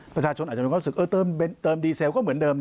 ประชาชนอาจจะมีความรู้สึกเติมดีเซลก็เหมือนเดิม